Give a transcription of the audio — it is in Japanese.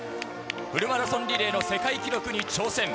フルマラソンリレーの世界記録に挑戦。